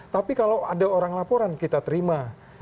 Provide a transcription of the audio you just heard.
tapi kalau ada orang laporan kita terima